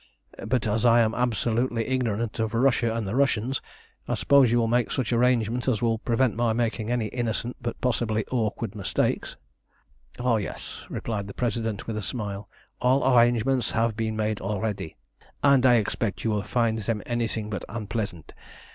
"But as I am absolutely ignorant of Russia and the Russians, I suppose you will make such arrangements as will prevent my making any innocent but possibly awkward mistakes." "Oh yes," replied the President, with a smile, "all arrangements have been made already, and I expect you will find them anything but unpleasant.